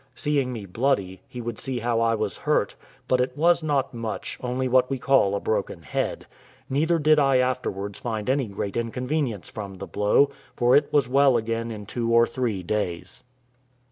Seeing me bloody, he would see how I was hurt; but it was not much, only what we call a broken head; neither did I afterwards find any great inconvenience from the blow, for it was well again in two or three days.